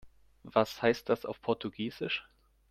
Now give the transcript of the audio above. Was heißt das auf Portugiesisch?